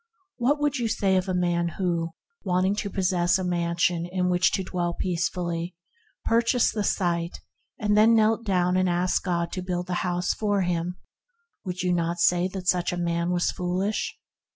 What would you say of a man who, wanting to possess a mansion in which to dwell peacefully, purchased the site and then knelt down and asked God to build the house for him ? 88 THE HEAVENLY LIFE Would you not say that such a man was foolish